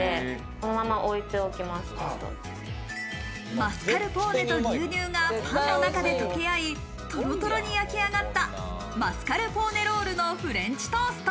マスカルポーネと牛乳がパンの中で溶け合いトロトロに焼き上がった、マスカルポーネロールのフレンチトースト。